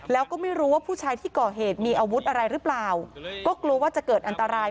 แล้วก็ไม่รู้ว่าผู้ชายที่ก่อเหตุมีอาวุธอะไรหรือเปล่าก็กลัวว่าจะเกิดอันตราย